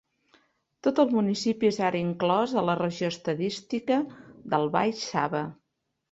Tot el municipi és ara inclòs a la regió estadística del Baix Sava.